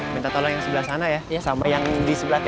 minta tolong yang sebelah sana ya sama yang di sebelah kanan